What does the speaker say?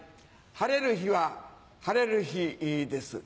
晴れる日は晴れる日です。